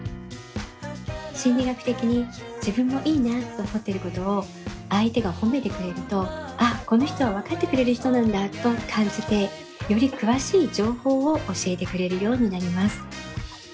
心理学的に自分もいいなと思ってることを相手が褒めてくれるとあっこの人は分かってくれる人なんだと感じてより詳しい情報を教えてくれるようになります。